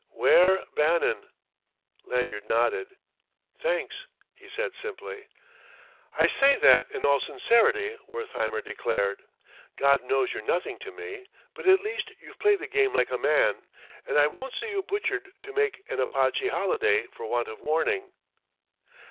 "'Ware Bannon!" Lanyard nodded. "Thanks," he said simply. "I say that in all sincerity," Wertheimer declared. "God knows you're nothing to me, but at least you've played the game like a man; and I won't see you butchered to make an Apache holiday for want of warning."